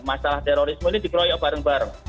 masalah terorisme ini dikeroyok bareng bareng